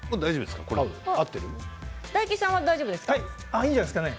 いいんじゃないですか？